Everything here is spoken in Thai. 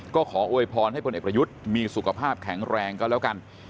ก็ขอโวยพรให้พลเอกประยุทธ์มีสุขภาพแข็งแรงก็แล้วกัน